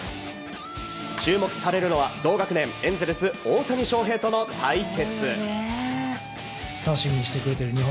注目されるのは同学年エンゼルス、大谷翔平との対決。